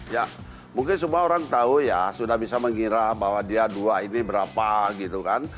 ya mungkin semua orang tahu ya sudah bisa mengira bahwa dia dua ini berapa gitu kan